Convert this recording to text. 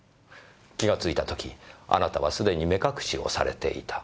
気が付いた時あなたはすでに目隠しをされていた。